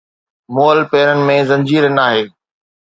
مئل پيرن ۾ زنجير ناهي